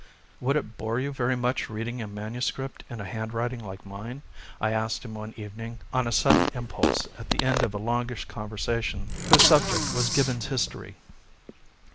"Would it bore you very much reading a MS. in a handwriting like mine?" I asked him one evening on a sudden impulse at the end of a longish conversation whose subject was Gibbon's History.